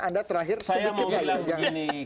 anda terakhir saya mau bilang gini